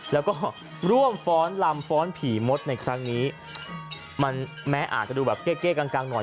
แล้วก็ร่วมฟ้อนลำฟ้อนผีมดในครั้งนี้มันแม้อาจจะดูแบบเก้เก้กลางหน่อย